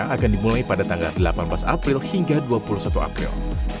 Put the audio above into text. akan dimulai pada tanggal delapan belas april hingga dua puluh satu april